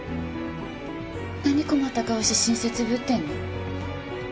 何困った顔して親切ぶってんの。